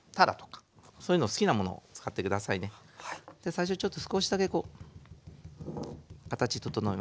最初ちょっと少しだけこう形整えますね。